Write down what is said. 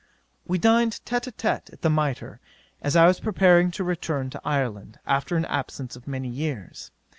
'We dined tête Ã tête at the Mitre, as I was preparing to return to Ireland, after an absence of many years.